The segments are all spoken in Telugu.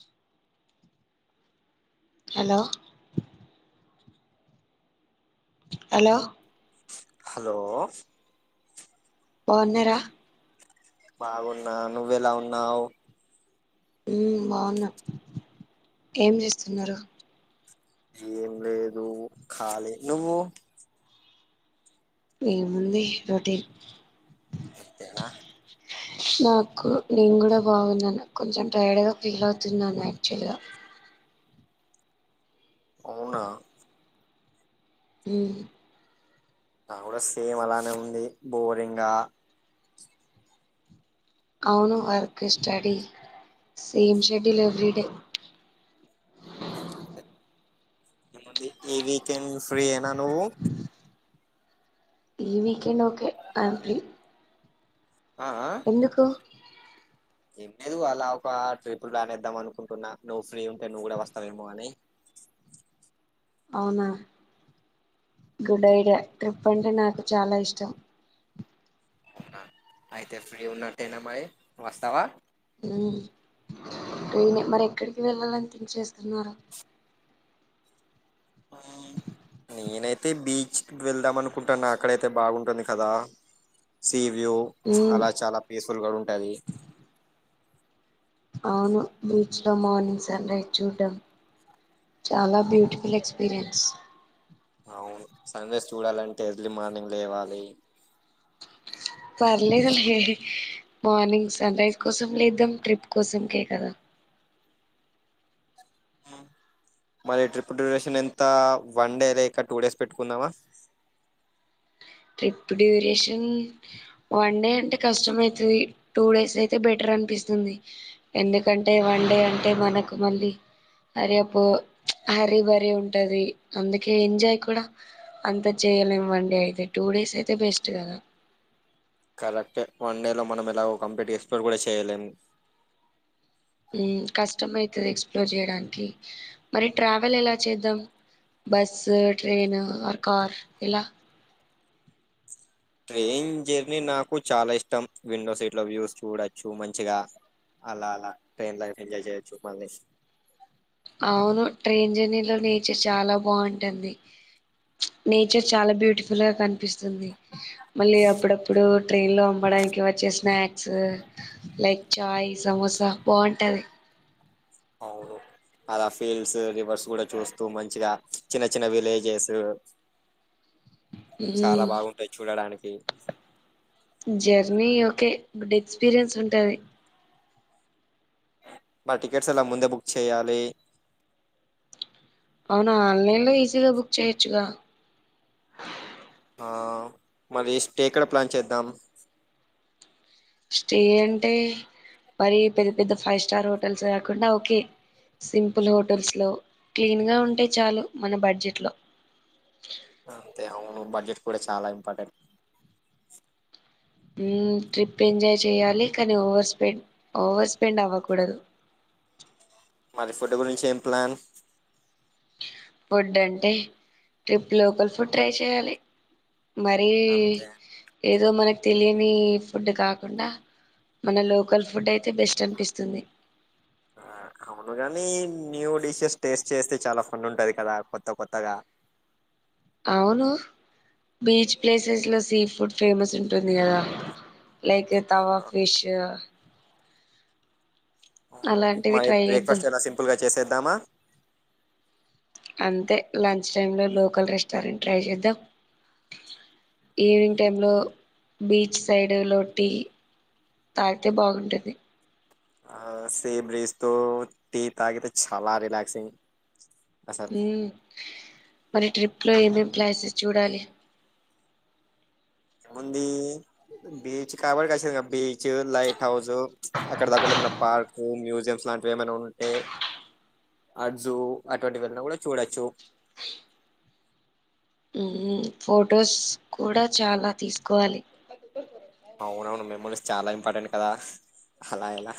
[inaudible] హలో హలో హలో బావున్నర బాగున్నా నువ్వెలా ఉన్నావు? ఉ బాగున్న ఏం చేస్తున్నారు? ఏం లేదు. ఖాళీ నువ్వు ఎముంది రొటీన్ ఇంతేనా నాకు నేను కూడా బాగున్నాను. కొంచెం టైర్డ్గా ఫీల్ అవుతున్నాను యాక్చువల్గా. అవునా ఉ నాకు కూడా సేమ్ అలానే ఉంది బోరింగా అవును work study same schedule every day ఈ వీకెండ్ ఫ్రీ ఏనా నువ్వు? ఈ వీకెండ్ ఒకే ఐఏఎమ్ ఫ్రీ ఆ ఆ ఎందుకు ఏం లేదు అలా ఒక ట్రిప్ ప్లాన్ ఇద్దాం అనుకుంటున్నా. నువ్వు ఫ్రీ ఉంటే నువ్వు కూడా వస్తావేమో అని. అవునా గుడ్ ఐడియా ట్రిప్ అంటే నాకు చాలా ఇష్టం. అయితే ఫ్రీ ఉన్నట్టేనా మరి వస్తావా? మరి ఎక్కడికి వెళ్ళాలని ఫిక్స్ చేస్తున్నారు. నేనైతే బీచ్కి వెళ్దాం అనుకుంటాను. అక్కడయితే బాగుంటుంది కదా. ఈవ్యూ మ్మ్ అలా చాలా పీస్ఫుల్ గా ఉంటుంది. అవును బీచ్లో మార్నింగ్ సన్ రైజ్ చూడటం చాలా బ్యూటిఫుల్ ఎక్స్పీరియన్స్. అవును సన్ రైజ్ చూడాలంటే ఎర్లీ మార్నింగ్ లేవాలి. పర్లేదు లే మార్నింగ్ సన్ రైజ్ కోసం లేద్దాం ట్రిప్ కోసంకే కదా మరి ట్రిప్ డ్యూరేషన్ ఎంత వన్ డే లేక టూ డేస్ పెట్టుకుందామా. ట్రిప్ డ్యూరేషన్ వన్ డే అంటే కష్టమ అయితది. టూ డేస్ అయితే బెటర్ అనిపిస్తుంది. ఎందుకంటే వన్ డే అంటే మనకు మళ్ళీ హరియప్ హరి బరి ఉంటుంది. అందుకే ఎంజాయ్ కూడా అంత చేయలేము వన్ డే అయితే టూ డేస్ అయితే బెస్ట్ కదా కరెక్ట్ వన్ డే లో మనం ఎలా కంప్లీట్ ఎక్స్ప్లోర్ కూడా చేయలేము. హు కష్టమ అయితది. ఎక్స్ప్లోర్ చేయడానికి మరి ట్రావెల్ ఎలా చేద్దాం బస్సు ట్రైన్ ఆర్ కార్ ఇలా ట్రైన్ జర్నీ నాకు చాలా ఇష్టం విండో సీట్ లో వ్యూస్ చూడచ్చు మంచిగా అలా అలా ట్రైన్ లో ఎంజాయ్ చేయొచ్చు మీ అవును ట్రైన్ జర్నీలో నేచర్ చాలా బాగుంటుంది. నేచర్ చాలా బ్యూటిఫుల్ గా కనిపిస్తుంది. మళ్ళీ అప్పుడప్పుడు ట్రైన్ లో అమ్మడానికి వచ్చే స్నాక్స్ లైక్ చాయ్ సమోసా బాగుంటది. అవును అలా ఫీల్స్ రివర్స్ కూడా చూస్తూ మంచిగా చిన్న చిన్న విలేజెస్ చాలా ఉమ్ బాగుంటాయి చూడడానికి ఏ జర్నీ ఓకే గుడ్ ఎక్స్పీరియన్స్ ఉంటది. మా టికెట్స్ ఎలా ముందే బుక్ చేయాలి. అవునా ఆన్లైన్ లో ఈజీగా బుక్ చేయొచ్చుగా ఆ మరి స్టే ఎక్కడ ప్లాన్ చేద్దాం. స్టే అంటే మరి పెద్ద పెద్ద ఫైవ్ స్టార్ హోటల్స్ కాకుండా ఓకే సింపుల్ హోటల్స్లో క్లీన్గా ఉంటే చాలు మన బడ్జెట్లో అంతే అవును బడ్జెట్ కూడా చాలా ఇంపార్టెంట్ హు ట్రిప్ ఎంజాయ్ చేయాలి. కానీ ఓవర్ స్పెండ్ ఓవర్ స్పెండ్ అవ్వకూడదు. మరి ఫుడ్ గురించి ఏం ప్లాన్ ఫుడ్ అంటే ట్రిప్ లోకల్ ఫుడ్ ట్రై చేయాలి. మరి అంతే ఏదో మనకి తెలియని ఫుడ్ కాకుండా మన లోకల్ ఫుడ్ అయితే బెస్ట్ అనిపిస్తుంది. ఆ అవును కాని న్యూ డిషెస్ టేస్ట్ చేస్తే చాలా ఫన్ ఉంటది కదా కొత్త కొత్తగా అవును బీచ్ ప్లేసెస్ లో సీ ఫుడ్ ఫేమస్ ఉంటుంది కదా లైక్ ఆ, తవా ఫిష్ అలాంటివి మరి ట్రై చేద్దాం బ్రేక్ఫాస్ట్ ఎలా సింపుల్ గా చేసేది దమ అంతే లంచ్ టైంలో లోకల్ రెస్టారెంట్ ట్రై చేద్దాం. ఈవినింగ్ టైంలో బీచ్ సైడ్ టీ తాగితే బాగుంటుంది. [unintelligible] తో టీ తాగితే చాల రిలాక్సింగ్ అసలు హు మళ్ళీ ట్రిప్ లో ఏమేమి ప్లేసెస్ చూడాలి. ముంది బీచ్ కాబట్చ్చ బీచ్ లైట్ హౌస్ అక్కడ దగ్గరలో ఏమైనా పార్కు మ్యూజియంస్ లాంటివి ఏమైనా ఉంటే అడ్జు అటువంటివిన్నా కూడా చూడచ్చు. హు ఫొటోస్ కూడా చాలా తీసుకోవాలి. అవునవును మెమోరీస్ చాలా ఇంపార్టెంట్ కదా అలా ఎలా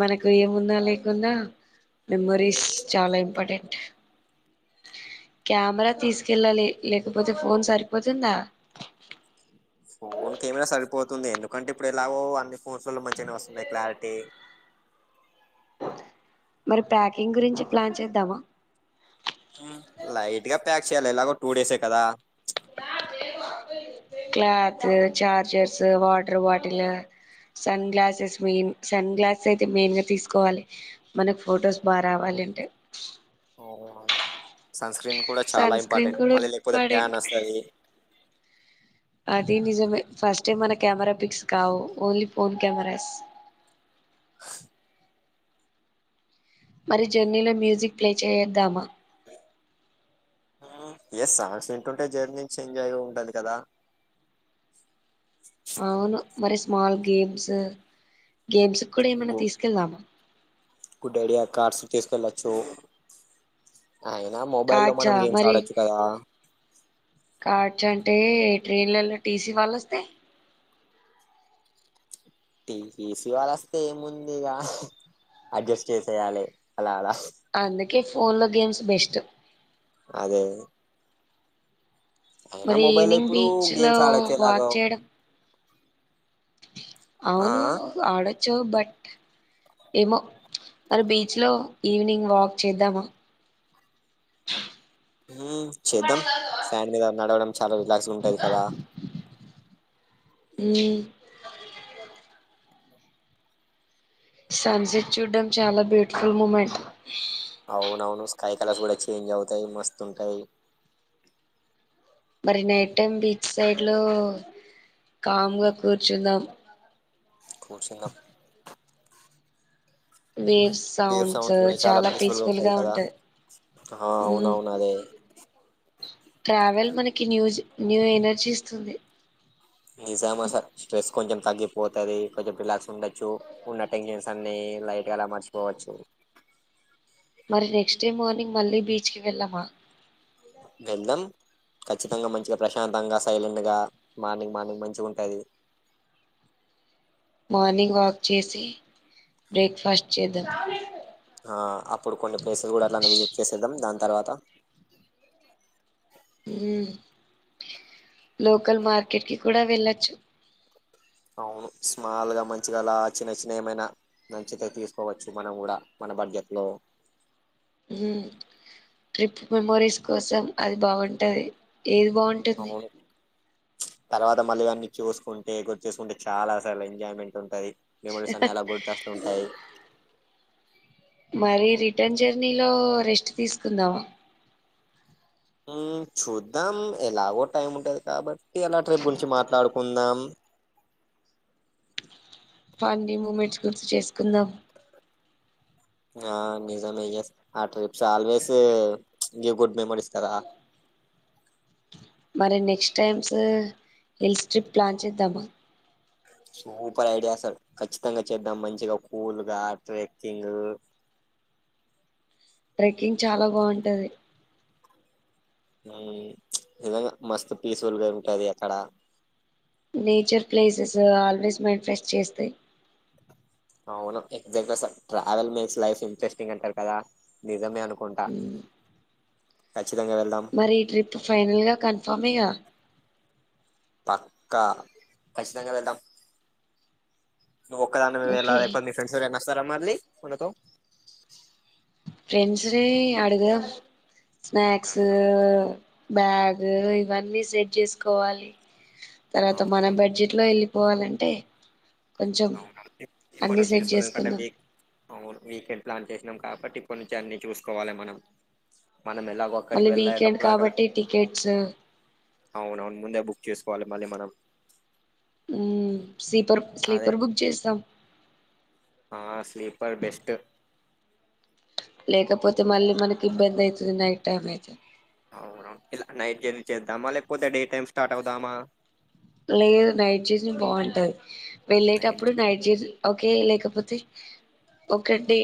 మన ఏమున్నా లేకున్నా మెమరీస్ చాలా ఇంపార్టెంట్ కెమెరా తీసుకెళ్ళాలి లేకపోతే ఫోన్ సరిపోతుందా. ఫోన్ కెమెరా సరిపోతు ంది ఎందుకంటే ఇప్పుడు ఎలాగో అన్ని ఫోటోలు మంచి వస్తున్నాయి క్లారిటీ మరి ప్యాకింగ్ గురించి ప్లాన్ చేద్దామా హు లైట్గా అపేక్షయాల ఎలాగో టూ డేసే కదా cloth chargers water bottle sunglasses main sunglasses అయితే మెయిన్గా తీసుకోవాలి మనకు ఫొటోస్ బాగ రావాలి అంటే సన్స్క్రీన్ కూడా చాలా సన్ స్క్రీన్ ఇంపార్టెంట్ కూడా మళ్ళీ లేకపోతే ఇంపార్టెంట్ ట్యాన్ ఒస్తది అదీ నిజమే ఫస్ట్ టైం మన కెమెరా పిక్స్ కావు ఓన్లీ ఫోన్ కెమెరాస్ మరి జర్నీలో మ్యూజిక్ ప్లే చేద్దామా ఎస్ సహస వింటుంటే జర్నీ నుంచి ఎంజాయ్గా ఉంటది కదా అవును మరి స్మాల్ గేమ్స్ గేమ్స్ కూడా ఏమైనా గు తీసుకెళ్దామా గుడైడియా కార్స్ తెసుకెల్ సో కాడ్చా మరి కాడ్చ్అంటే ఈ ట్రైనలల్లో టీసీ వాళ్ళొ స్తే టీసిస్ వాళ్ళ వస్తే ఏముంది ఇక అడ్జస్ట్ చేసేయాలి అలా అలా అందుకే ఫోన్లో గేమ్స్ బెస్ట్ అదే అయినా మరి మొబైల్ లో ఈవినింగ్ ఇప్పుడు బీచ్లో గేమ్స్ ఆడొచ్చు వాక్ ఎలాగో చేయడం ఆ అవును ఆడ చ్ బట్ ఏమో మరి బీచ్ లో ఈవినింగ్ వాక్ చేద్దామా ఊమ్ చేద్దాం సాండ్ మీద నడవడం చాలవ్ గ్లాస్ ఉంటది కదా ఊమ్ సన్ సెంట్ చూడ్డం చాలా బ్యూటిఫుల్ ముమెంట్ అవునవును స్కై కలర్స్ గూడ చేంజ్ అవుతాయి మస్తు ఉంటాయి మరి నైట్ టైమ్ బీచ్ సైడ్ లో కామ్గా కూర్చుందాం కూచుందాం బేఫ్ సౌండ్స్ కూడా చాలా పీస్ఫుల్గా ఉంటది కదా అఆ మ్మ్ అవునవును అదే ట్రావెల్ మనకి న్యూజ్ న్యూ ఎనర్జీ ఇస్తుంది నిజామ్ అసల్ స్ట్రెస్ కొంజెం తగ్గిపోతాది కొంచెం రిలాక్స్ ఉండొచ్చు ఉన్న టెన్షన్స్ అన్ని లైట్ గ అలా మర్చిపోవచ్చు మరి నెక్స్ట్ డే మార్నింగ్ మళ్ళీ బీచ్క్ వెళ్ళమా వెళ్దాం ఖచ్చితంగా మంచిగా ప్రశాంతంగా సైలెంట్ గా మార్నింగ్ మార్నింగ్ మంచి ఉంటుంది మార్నింగ్ వాక్ చేసి బ్రేక్ఫాస్ట్ చేద్దాం ఆ అప్పుడు కొన్ని ప్లేసెస్ గూడా అట్లానే విజిట్ చేసేద్దాం దాన్ తర్వాత ఉమ్ లోకల్ మార్కెట్కి కూడా వెళ్ళొచ్చు అవును స్మాల్గా మంచిగా అలా చిన్న చిన్న ఏమైనా మంచితే తీసుకోవచ్చు మనం కూడా మన బడ్జెట్ లో ఊ ట్రిప్ మెమోరీస్ కోసం అది బాగుంటది ఏది బావుంటుంది అవును తర్వాత మళ్ళీ అవన్నీ చూసుకుంటే గుర్త్ చూసుకుంటే చాలా అసలు ఎంజాయ్మెంట్ ఉంటుంది మెమోరీస్ అన్ని అలా గుర్తొస్తూ ఉంటాయి మరి రిటర్న్ జర్నీలో రెస్ట్ తీసుకుందామా ఉమ్ చూద్దాం ఎలాగో టైం ఉంటది కాబ టీ ఇయాలా ట్రిప్ గురించి మాట్లాడుకుందాం ఫన్నీ మూమెంట్స్ గుర్తు చేసుకుందాం ఆ నిజమే యస్ ఆ ట్రిప్స్ ఆల్వేస్ జు గుడ్ మెమోరీస్ కదా మరి next times hills trip plan చేద్దామా సూపర్ ఐడియా సార్ ఖచ్చితంగా చేద్దాం మంచిగా కూల్గా ట్రెక్కింగ్ ట్రెక్కింగ్ చాలా బాగుంటది ఉమ్ నిజంగా మస్తు పీస్ఫుల్ గా ఉంటది అక్కడ nature places always mind fresh చేస్తాయి్ అవును ఎగ్జాక్ట్ గా ట్రావెల్ మేక్స్ లైఫ్ ఇంట్రెస్టింగ్ అంటారు కదా నిజమే అనుకుంటా ఉమ్ ఖచ్చితంగా వెళ్దాం మరి ఈ ట్రిప్ ఫైనల్ గా కన్ఫామ్గా పక్కా కశితంగా వెల్ధమ్ నువు ఒకాడనైవ్ ఓకే వెలాలా లేకా ఫ్రెడ్స్ ఎవరైనా వస్త్రార మాలి మనాథో ఫ్రెండ్స్ ని అడగర్ స్నాయాక్స్ బ్యాగ ఇవన్నీ సెట్ చేసుకోవాలి తర్వా మన అవును బడ్జెట్ లో వెళ్ళి పోవాలంటే అవును కొన్ని వచ్చేసుకో అవి ఎందుకంటే చేసుకుందాం వక్ అవును వీకెండ్ ప్లాన్ చేసి న్నాం కాబట్టి ఇప్ప నుంచి అన్ని చూసుకోవాలి మనం మనం ఎలాగో అక్కడికి మళ్ళీ వీకెండ్ వెళ్ళేటప్పుడు కాబట్టి టికెట్స్ అవున అవును ముందే బుక్ చేసుకోవాలి మళ్ళీ మనం ఉమ్ స్లీపర్ అదే స్లీపర్ బుక్ చేస్తాం ఆ స్లీపర్ బెస్ట్ లేకపోతే మళ్ళీ మనకి ఇబ్బంది అవుతుంది నైట్ టైం అయితే అవున ఇలా నైట్ జర్నీ చేద్దామా లేకపోతే డే టైమ్ స్టార్ట్ అవుదామా లేదు నైట్ జర్నీ బాగుంటది వెళ్ళేటప్పుడు నైట్ జర్నీ ఓకే లేకపోతే ఒక డే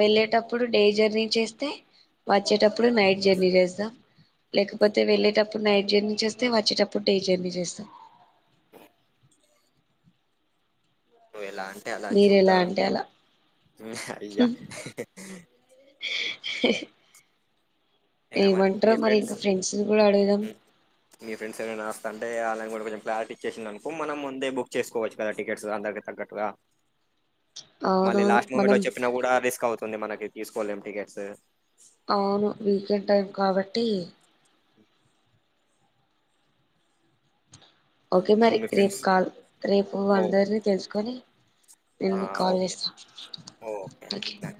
వెళ్ళేటప్పుడు డే జర్నీ చేస్తే వచ్చేటప్పుడు నైట్ జర్నీ చేద్దాం లేకపోతే వెళ్ళేటప్పుడు నైట్ జర్నీ చేస్తే వచ్చేటప్పుడు డే జర్నీ చేస్తాం ఓ ఎలా ఎలా మీరు చూద్దాం అంటే అలా అయ హ్మ్ ఏమంటారు మరి ఇంకా ఫ్రెండ్స్ కూడా అడుగుదాం మీ ఫ్రెండ్స్ ఏమైనా వస్తా అంటే ఆలైన్ కూడా కొంచం క్లారిటీ ఇచ్చేసింది అనుకో మనం ముందే బుక్ చేసుకోవచ్చు కదా టికెట్స్ అందరికి తగ్గట్టుగా మళ్ళీ అవునవును లాస్ట్ మనం మూమెంట్లో చెప్పినా కూడా రిస్క్ మనకి తీసుకోవలేం టికెట్స్ అవును వీకెండ్ టైం కాబట్టి ఓకే మరి మీ రేపు ఫ్రెండ్స్ కాల్ రేపు ఓ అందరిని తెలుసుకొని ఎ ఆ, ఓకే కాలేజ్ ఓకే